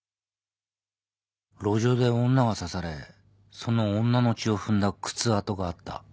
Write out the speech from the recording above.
路上で女が刺されその女の血を踏んだ靴跡があった。